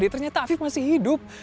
ternyata afif masih hidup